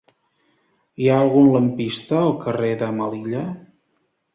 Hi ha algun lampista al carrer de Melilla?